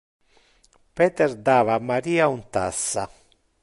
Peter dava a Maria un tassa.